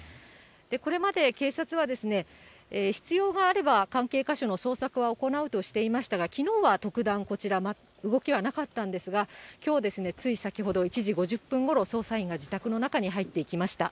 これまで警察は、必要があれば関係箇所の捜索は行うとしていましたが、きのうは特段、こちら、動きはなかったんですが、きょう、つい先ほど１時５０分ごろ、捜査員が自宅の中に入っていきました。